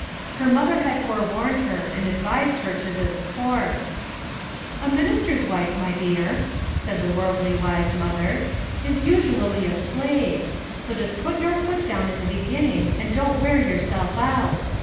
Her mother had forewarned her, and advised her to this course: "A minister's wife, my dear," said the worldly wise mother, "is usually a slave. So just put your foot down in the beginning, and don't wear yourself out.